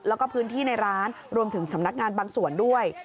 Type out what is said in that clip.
แล้วก็พื้นที่ในร้านรวมถึงสำนักงานบางส่วนด้วย